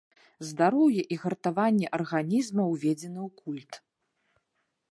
Здароўе і гартаванне арганізма ўзведзены ў культ.